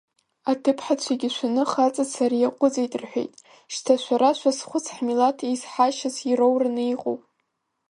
Аҭыԥҳацәагьы шәаны хаҵацара иаҟәыҵит рҳәеит, шьҭа шәара шәазхәыц ҳмилаҭ еизҳашьас ироураны иҟоу.